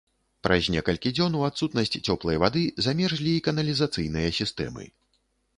Праз некалькі дзён у адсутнасць цёплай вады замерзлі і каналізацыйныя сістэмы.